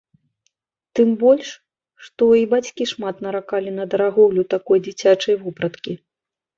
Тым больш, што і бацькі шмат наракалі на дарагоўлю такой дзіцячай вопраткі.